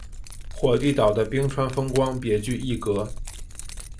火地岛的冰川风光别具一格。